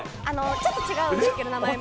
ちょっと違うんですけど名前も。